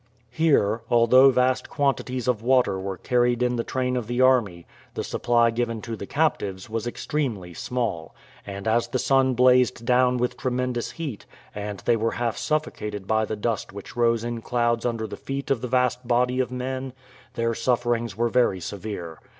Here, although vast quantities of water were carried in the train of the army, the supply given to the captives was extremely small, and as the sun blazed down with tremendous heat, and they were half suffocated by the dust which rose in clouds under the feet of the vast body of men, their sufferings were very severe.